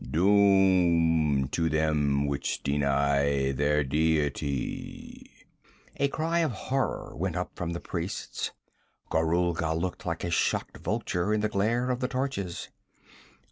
Doom to them which deny their deity!' A cry of horror went up from the priests. Gorulga looked like a shocked vulture in the glare of the torches.